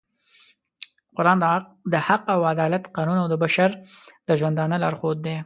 قرآن د حق او عدالت قانون او د بشر د ژوندانه لارښود دی